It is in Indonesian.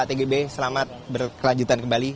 terima kasih pak tgb selamat berkelanjutan kembali